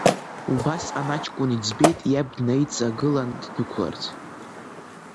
Убасҟан аҷкәын иӡбеит иаб днаиҵагылан ддәықәларц.